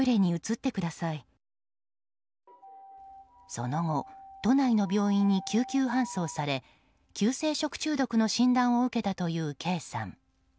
その後、都内の病院に救急搬送され急性食中毒の診断を受けたというＫさん。